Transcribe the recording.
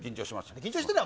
緊張してない。